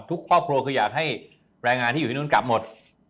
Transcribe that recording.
ทุกครอบครัวคืออยากให้แรงงานที่อยู่ที่นู่นกลับหมด